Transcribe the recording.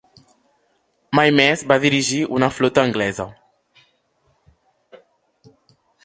Mai més va dirigir una flota anglesa.